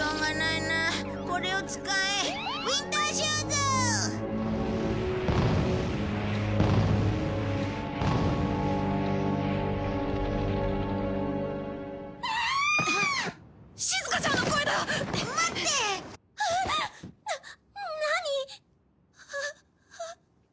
な何？